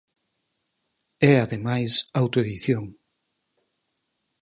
É ademais, autoedición.